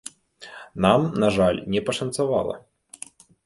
Нам, на жаль, не пашанцавала.